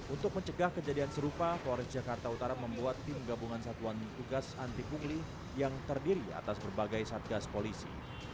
untuk mencegah kejadian serupa polres jakarta utara membuat tim gabungan satuan tugas anti pungli yang terdiri atas berbagai satgas polisi